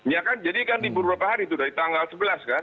ya kan jadi kan libur berapa hari itu dari tanggal sebelas kan